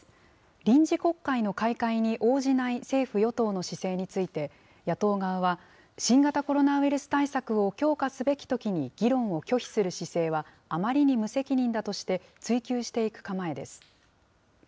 臨時国会の開会に応じない政府・与党の姿勢について、野党側は、新型コロナウイルス対策を強化すべきときに議論を拒否する姿勢はあまりに無責任だとして追及していく構えです。